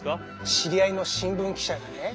知り合いの新聞記者がね